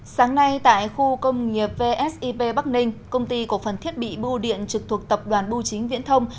sáng nay tại khu công nghiệp vsep bắc ninh công ty cổ phần thiết bị bưu điện trực thuộc tập đoàn bưu chính viễn thông